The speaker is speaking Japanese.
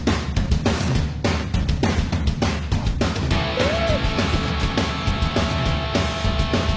うん！